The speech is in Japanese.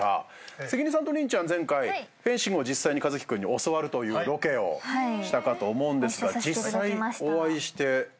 関根さんと麟ちゃんは前回フェンシングを実際に一輝君に教わるというロケをしたかと思うんですが実際お会いしてどうですか？